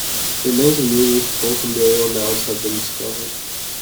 The remains of numerous kofun burial mounds have been discovered.